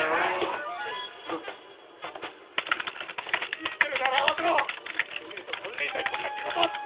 生きてるなら会わせろ‼でないと金輪際こんな仕事は続けねえ！